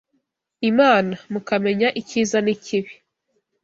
Imana, mukamenya icyiza n’ikibi.